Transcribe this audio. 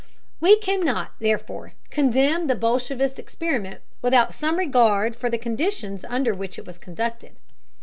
We cannot, therefore, condemn the bolshevist experiment without some regard for the conditions under which it was conducted.